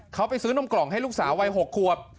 เขาไปซื้อนมกล่องให้ลูกสาววัย๖ควบ